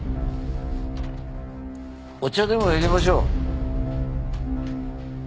お茶でも淹れましょう。